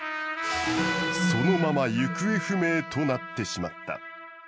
そのまま行方不明となってしまった。